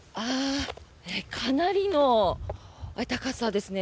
かなりの高さですね。